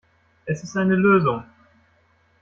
Es ist eine Lösung.